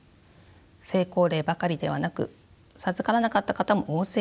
成功例ばかりではなく授からなかった方も大勢います。